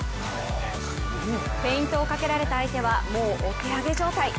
フェイントをかけられた相手はもうお手上げ状態。